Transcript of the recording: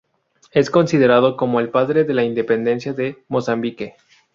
Es considerado como el padre de la independencia de Mozambique.